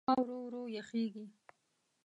هوا ورو ورو یخېږي.